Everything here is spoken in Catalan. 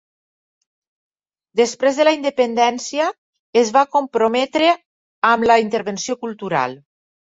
Després de la independència, es va comprometre amb la intervenció cultural.